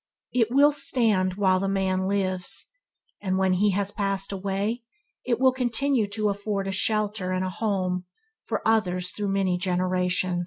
It will stand while the man lives, and when has passed away it will continue to afford a shelter and a home for others through many generation.